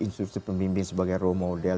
instruktur pembimbing sebagai role model